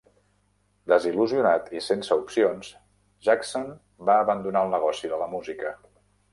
Desil·lusionat i sense opcions, Jackson va abandonar el negoci de la música.